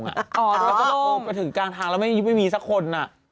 เพราะถึงกลางทางแล้วไม่มีสักคน